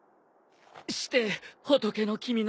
して仏の君の名は？